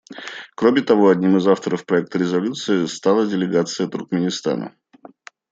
Кроме того, одним из авторов проекта резолюции стала делегация Туркменистана.